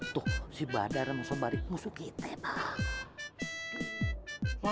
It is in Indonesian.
tuh si badar sama sobari musuh kita pak